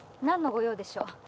何の御用でしょう？